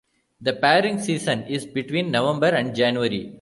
The pairing season is between November and January.